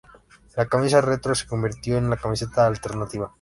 La camisa retro se convirtió en la camiseta alternativa.